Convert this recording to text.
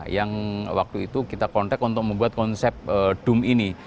yang waktu itu kita kontak untuk membuat konsep dum ini